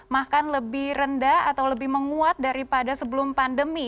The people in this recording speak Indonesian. bahkan lebih rendah atau lebih menguat daripada sebelum pandemi